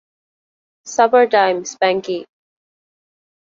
সাপারটাইম, স্প্যাঙ্কি।